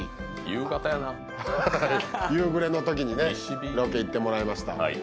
夕方やな夕暮れの時にねロケ行ってもらいました